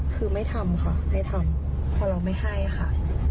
คือไม่ทำค่ะไม่ทำเพราะเราไม่ให้ค่ะ